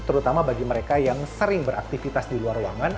terutama bagi mereka yang sering beraktivitas di luar ruangan